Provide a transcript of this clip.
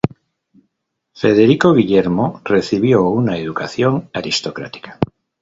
Federico Guillermo recibió una educación aristocrática.